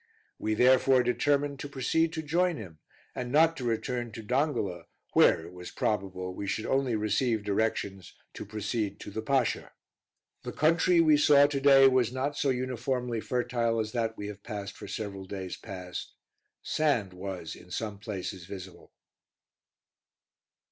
We therefore determined to proceed to join him, and not to return to Dongola, where it was probable we should only receive directions to proceed to the Pasha. The country we saw to day was not so uniformly fertile as that we have passed for several days past. Sand was in some places visible.